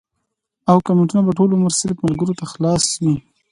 او کمنټونه به ټول عمر صرف ملکرو ته خلاص وي